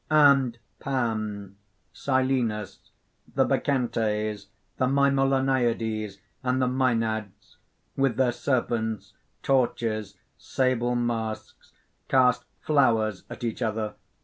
(_And Pan, Silenus, the Bacchantes, the Mimalonæides, and the Mænads, with their serpents, torches, sable masks, cast flowers at each other